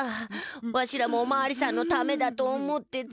わしらもおまわりさんのためだと思ってつい。